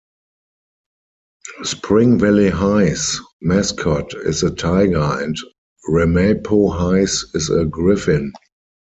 Spring Valley High's mascot is a tiger, and Ramapo High's is a griffin.